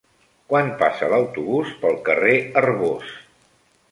Quan passa l'autobús pel carrer Arbós?